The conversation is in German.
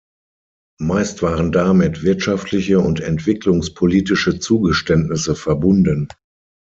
Meist waren damit wirtschaftliche und entwicklungspolitische Zugeständnisse verbunden.